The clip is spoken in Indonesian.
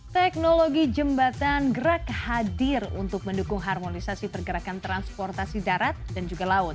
teknologi jembatan gerak hadir untuk mendukung harmonisasi pergerakan transportasi darat dan juga laut